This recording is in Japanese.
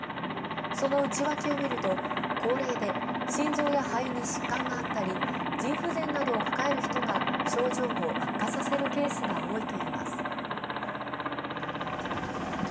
その内訳を見ると、高齢で心臓や肺に疾患があったり腎不全などを抱える人が症状を悪化させるケースが多いといいます。